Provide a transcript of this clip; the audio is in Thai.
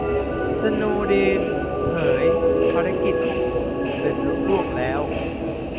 'สโนว์เดน' เผย "ภารกิจของผมสำเร็จลุล่วงแล้ว"